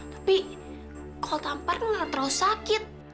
tapi kalau tampar kan anak terlalu sakit